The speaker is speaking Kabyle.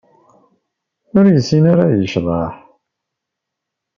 Ur yessin ara ad yecḍeḥ.